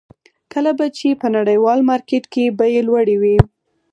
کله به چې په نړیوال مارکېټ کې بیې لوړې وې.